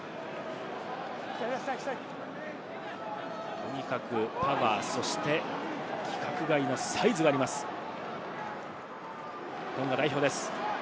とにかくパワー、そして規格外のサイズがあります、トンガ代表です。